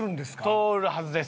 通るはずです。